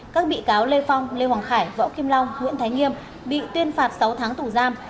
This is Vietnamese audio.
các bị cáo lê phong lê hoàng khải võ kim long nguyễn thái nghiêm bị tuyên phạt sáu tháng tù giam